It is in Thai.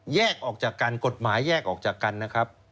แยกออกจากกันกฎหมายแยกออกจากกันนะครับ